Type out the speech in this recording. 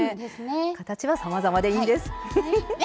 形は、さまざまでいいです。